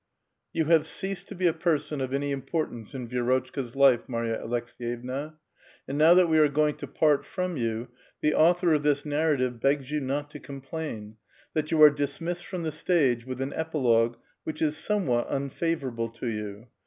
Yo^^ have ceased to be a person of an}* importance in Vi6 rotchka's life, Marya Aleks^^yevna, and now that we are go ing to part from you, the author of this narrative begs you not iA complain, that you are dismissed from the stage with an epilogue which is somewhat unfavorable to yon.